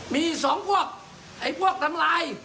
มีสองพวกไอ้พวกทำลาย